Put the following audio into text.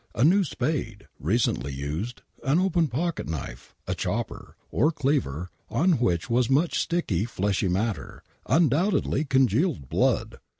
A new spade, recently used, an open pocket knife, a chopper, or cleaver, on which was much sticky fleshy matter — undoubtedly congealed blood.